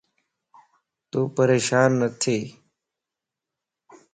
تون پريشان نٿي